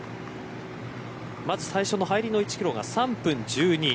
まず最初の入りの１キロは３分１２